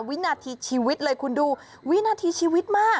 วินาทีชีวิตเลยคุณดูวินาทีชีวิตมาก